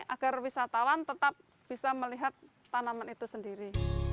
agar wisatawan tetap bisa melihat tanaman itu sendiri